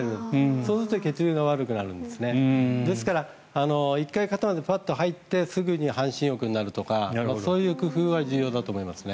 そうすると血流が悪くなるので１回、肩まで入ってすぐに半身浴をするとかそういう工夫は重要だと思います。